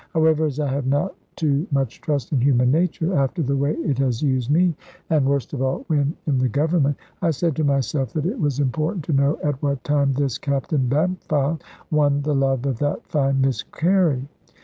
However, as I have not too much trust in human nature (after the way it has used me, and worst of all when in the Government), I said to myself that it was important to know at what time this Captain Bampfylde won the love of that fine Miss Carey.